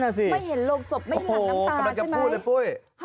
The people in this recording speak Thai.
ไม่เห็นโรคศพไม่เห็นหลังน้ำตาใช่ไหม